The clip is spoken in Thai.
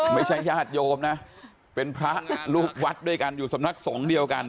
ไม่ใช่ญาติโยมนะเป็นพระลูกวัดด้วยกันอยู่สำนักสงฆ์เดียวกัน